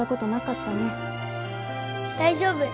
大丈夫。